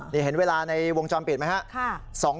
นี่เห็นเวลาในวงจรปิดไหมครับ